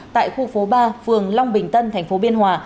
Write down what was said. tại khu phố ba phường long bình tân tp biên hòa